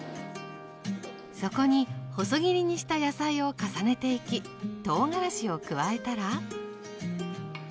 そこに細切りにした野菜を重ねていきとうがらしを加えたら。